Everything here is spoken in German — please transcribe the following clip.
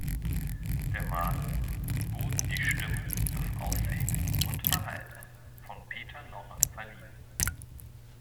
Der Made wurden die Stimme, das Aussehen und Verhalten von Peter Lorre verliehen.